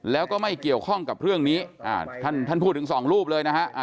แล้วก็ไม่เกี่ยวข้องกับเรื่องนี้ท่านท่านพูดถึงสองรูปเลยนะฮะ